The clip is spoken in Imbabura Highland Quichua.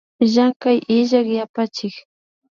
Llankay illak yapachik